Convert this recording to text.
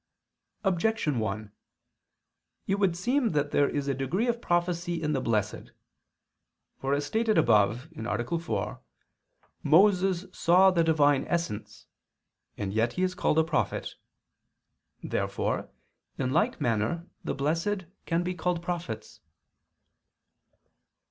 Objection 1: It would seem that there is a degree of prophecy in the blessed. For, as stated above (A. 4), Moses saw the Divine essence, and yet he is called a prophet. Therefore in like manner the blessed can be called prophets.